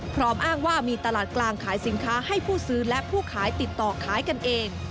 พร้อมอ้างว่ามีตลาดกลางขายสินค้าให้ผู้ซื้อและผู้ขายติดต่อขายกันเอง